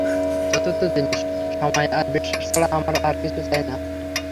চতুর্থ জিনিস, সময় আর বিশ্বাস ছাড়া আমার আর কিছু চাই না।